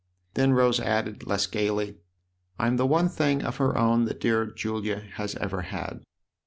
Then Rose added, less gaily :" I'm the one thing of her own that dear Julia has ever had."